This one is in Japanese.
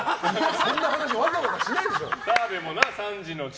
そんな話わざわざしないでしょ！